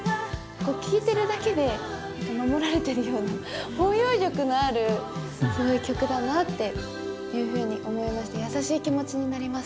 こう聴いてるだけでなんか守られてるような包容力のあるすごい曲だなっていうふうに思いまして優しい気持ちになります。